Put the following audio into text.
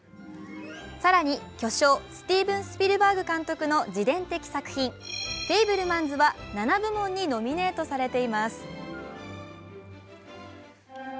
更に、巨匠スティーヴン・スピルバーグ監督の自伝的作品、「フェイブルマンズ」は７部門にノミネートされています。